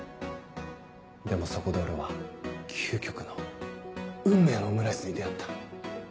でもそこで俺は究極の運命のオムライスに出合った。